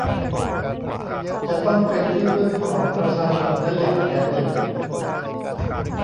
จะต้องเป็นที่พึ่งของประชาชนได้อย่างแท้จริง